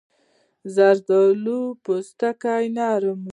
زردالو پوستکی نرم وي.